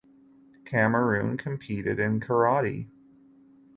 Cameroon competed in karate.